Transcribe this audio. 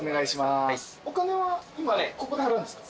お金は今ここで払うんですか？